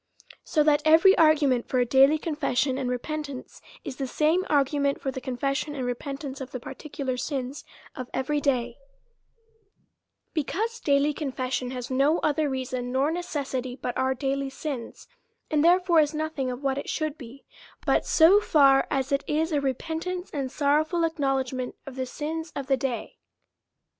So that every argument for a daily confession and repentance is the same argument for the confession and repent ance of the particular sins of every day : because daily confession has no other reason or necessity but our daily sins ; and therefore is notliing of what it should be, but so far as it is repentance and sorrowful ac knowledgment of the sins of the day.